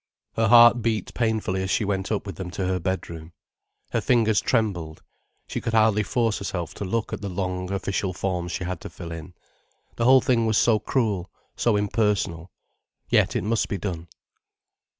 Her heart beat painfully as she went up with them to her bedroom. Her fingers trembled, she could hardly force herself to look at the long, official forms she had to fill in. The whole thing was so cruel, so impersonal. Yet it must be done.